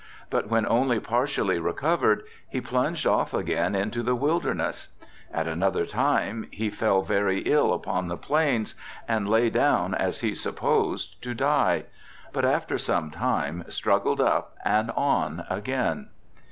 But when only partially recovered he plunged off again into the wilderness. At another time he fell very ill upon the Plains, and lay down, as he supposed, to die; but after some time struggled up and on again.